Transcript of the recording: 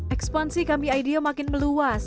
ekspansi kami idea makin meluas